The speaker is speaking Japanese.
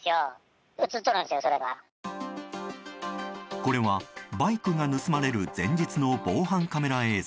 これはバイクが盗まれる前日の防犯カメラ映像。